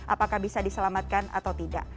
apakah bisa diselamatkan atau tidak